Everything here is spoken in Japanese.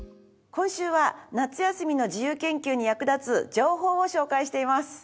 今週は夏休みの自由研究に役立つ情報を紹介しています。